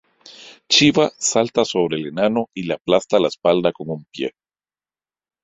Shivá salta sobre el enano y le aplasta la espalda con un pie.